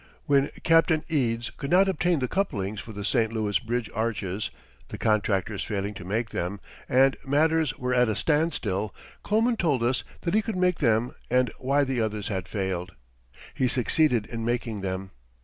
When Captain Eads could not obtain the couplings for the St. Louis Bridge arches (the contractors failing to make them) and matters were at a standstill, Kloman told us that he could make them and why the others had failed. He succeeded in making them.